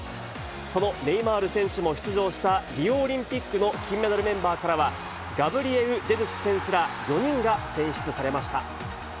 そのネイマール選手も出場したリオオリンピックの金メダルメンバーからは、ガブリエウ・ジェズス選手ら４人が選出されました。